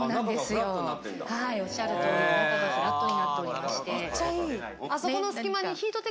はいおっしゃる通り中がフラットになっておりまして。